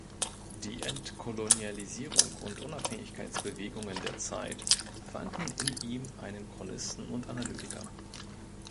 Die Entkolonialisierung und Unabhängigkeitsbewegungen der Zeit fanden in ihm einen Chronisten und Analytiker.